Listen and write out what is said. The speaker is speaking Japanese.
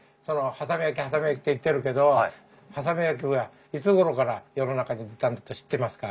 波佐見焼波佐見焼って言ってるけど波佐見焼はいつごろから世の中に出たんだと知ってますか？